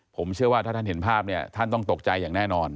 ผมเชื่อว่าถ้าท่านเห็นภาพเนี่ยท่านต้องตกใจอย่างแน่นอน